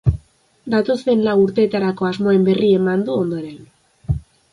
Datozen lau urteetarako asmoen berri eman du ondoren.